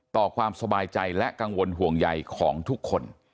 ต่อความสบายใจและกังวลห่วงใยของทุกคน